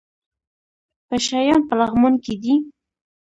پشه یان په لغمان کې دي؟